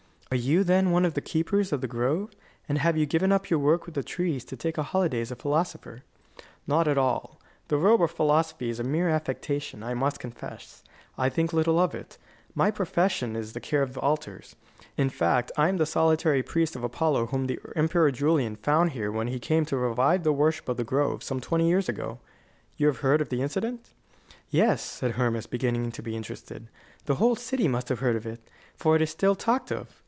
"Are you, then, one of the keepers of the grove? And have you given up your work with the trees to take a holiday as a philosopher? "Not at all. The robe of philosophy is a mere affectation, I must confess. I think little of it. My profession is the care of altars. In fact, I am the solitary priest of Apollo whom the Emperor Julian found here when he came to revive the worship of the grove, some twenty years ago. You have heard of the incident?" "Yes," said Hermas, beginning to be interested; "the whole city must have heard of it, for it is still talked of.